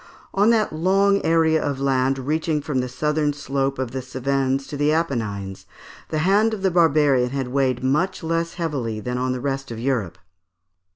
On that long area of land reaching from the southern slope of the Cevennes to the Apennines, the hand of the barbarian had weighed much less heavily than on the rest of Europe.